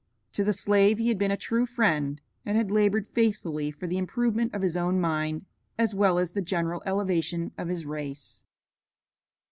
To the slave he had been a true friend, and had labored faithfully for the improvement of his own mind as well as the general elevation of his race.